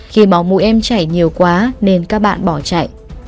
khi máu mũi em chảy nhiều quá nên các bạn bỏ chạy